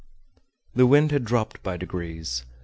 The wind had dropped by degrees.